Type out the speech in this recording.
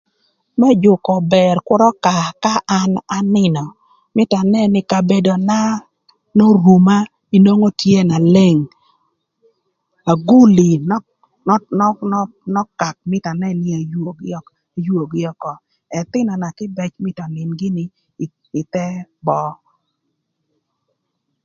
Më jükö ober kür ökaa ka an anïnö mïtö anën nï kabedona n'oruma inwongo tye na leng aguli nö nö nö nö nökak mïtö anën nï ayüögï ök ayüögï ökö ëthïnöna kïbëc mïtö önïn gïnï ïthë böö